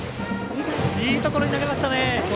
いいところに投げましたね。